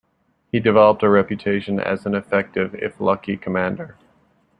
He developed a reputation as an effective if lucky commander.